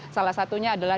salah satunya adalah